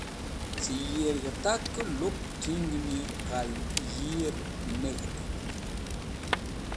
Cẽ yirg̃htakẽ lup t̃ingni ghal yir ne g̃hẽtetk.